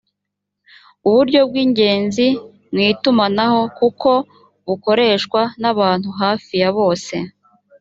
uburyo bw ingenzi mu itumanaho kuko bukoreshwa n abantu hafi ya bose